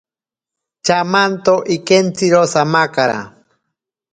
Chamanto ikentziro samakara.